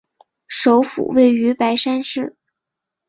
首府位于白山市。